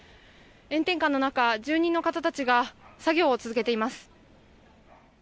炎天下の中、住人の方たちが作業を続けています。